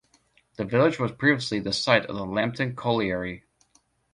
The village was previously the site of the Lambton Colliery.